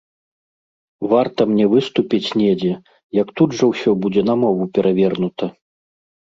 Варта мне выступіць недзе, як тут жа ўсё будзе на мову перавернута.